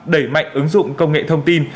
đẩy mạnh ứng dụng công nghệ thông tin